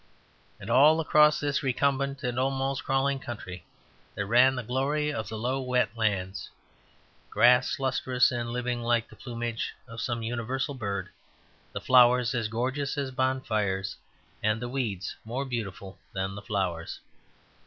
And all across this recumbent and almost crawling country there ran the glory of the low wet lands; grass lustrous and living like the plumage of some universal bird; the flowers as gorgeous as bonfires and the weeds more beautiful than the flowers.